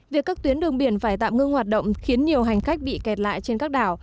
việc các tuyến đường biển phải tạm ngưng hoạt động khiến nhiều hành khách bị kẹt lại trên các đảo